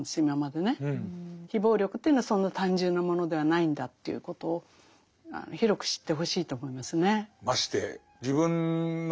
非暴力というのはそんな単純なものではないんだということを広く知ってほしいと思いますね。